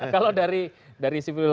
kalau dari dari sivil topi